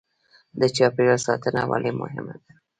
د چاپیریال ساتنه ولې مهمه ده